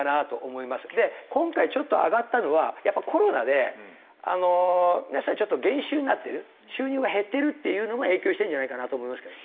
で今回ちょっと上がったのはやっぱコロナで皆さん減収になってる収入が減ってるっていうのも影響してるんじゃないかなと思いますけどね。